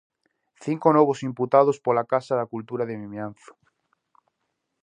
Cinco novos imputados pola Casa da Cultura de Vimianzo.